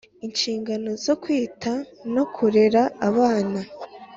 Inshingano zo kwita no kurera abana